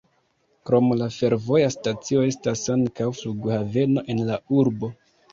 Krom la fervoja stacio estas ankaŭ flughaveno en la urbo.